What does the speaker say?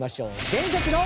伝説の。